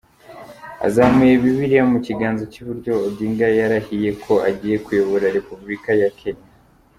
Azamuye Bibiliya mu kiganza cy’iburyo, Odinga yarahiye ko agiye kuyobora Repubulika ya Kenya.